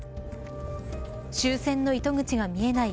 終戦の糸口が見えない